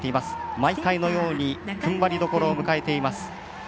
毎回のようにふんばりどころを迎えています。